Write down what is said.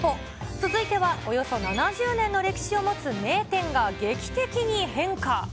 続いては、およそ７０年の歴史を持つ名店が劇的に変化。